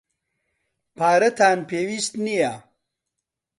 پارەتان پێویست نییە.